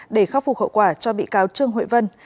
để khắc phục hậu quả cho bị cáo trương hội vân